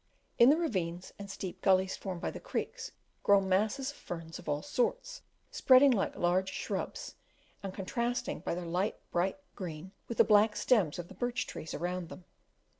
In the ravines and steep gullies formed by the creeks grow masses of ferns of all sorts, spreading like large shrubs, and contrasting by their light bright green with the black stems of the birch trees around them.